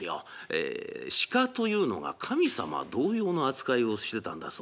ええ鹿というのが神様同様の扱いをしてたんだそうです。